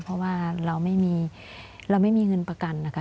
เพราะว่าเราไม่มีเราไม่มีเงินประกันนะคะ